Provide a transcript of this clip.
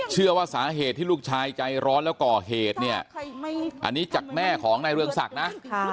เชื่อว่าสาเหตุที่ลูกชายใจร้อนแล้วก่อเหตุเนี่ยอันนี้จากแม่ของนายเรืองศักดิ์นะ